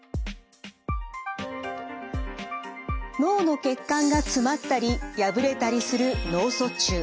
脳の血管が詰まったり破れたりする脳卒中。